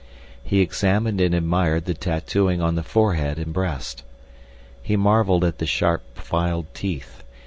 He examined and admired the tattooing on the forehead and breast. He marveled at the sharp filed teeth.